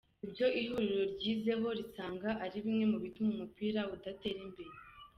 Ibyo ihuriro ryizeho risanga ari bimwe mu bituma umupira udatera imbere:.